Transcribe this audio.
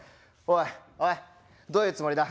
おいおいどういうつもりだ？